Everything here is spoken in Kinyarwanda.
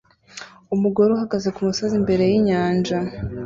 Umugore uhagaze kumusozi imbere yinyanja